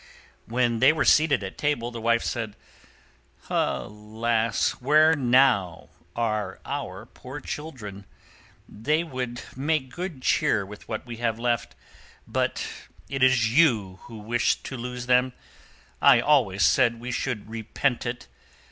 When they were seated at table, the Wife said, "Alas! where now are our poor children? They would make good cheer with what we have left. But it is you who wished to lose them. I always said we should repent it.